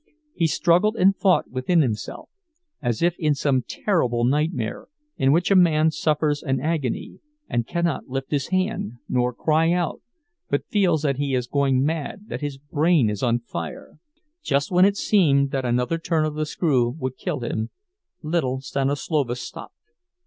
He struggled and fought within himself—as if in some terrible nightmare, in which a man suffers an agony, and cannot lift his hand, nor cry out, but feels that he is going mad, that his brain is on fire— Just when it seemed to him that another turn of the screw would kill him, little Stanislovas stopped.